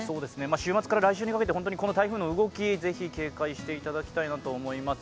週末から来週にかけてこの台風の動き是非警戒してほしいなと思います。